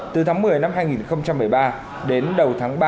từ tháng một mươi năm hai nghìn một mươi ba đến đầu tháng ba